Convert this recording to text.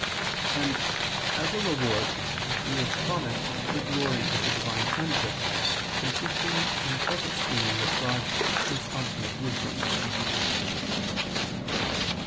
Hence, as a reward, he is promised the glory of the Divine sonship, consisting in perfect union with God through consummate wisdom.